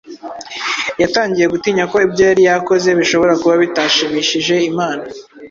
yatangiye gutinya ko ibyo yari yakoze bishobora kuba bitashimishije Imana